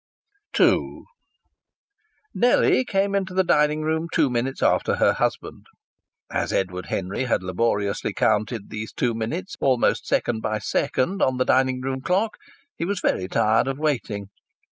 II Nellie came into the dining room two minutes after her husband. As Edward Henry had laboriously counted these two minutes almost second by second on the dining room clock, he was very tired of waiting.